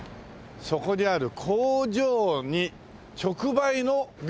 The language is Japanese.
そこにある工場に直売のグルメ。